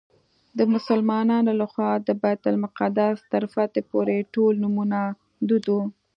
د مسلمانانو له خوا د بیت المقدس تر فتحې پورې ټول نومونه دود وو.